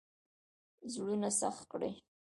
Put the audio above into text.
زړونه سخت کړي.